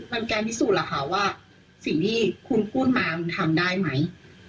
มันการพิสูจน์ล่ะค่ะว่าสิ่งที่คุณพูดมาคุณทำได้ไหม